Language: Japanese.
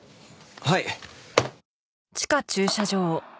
はい。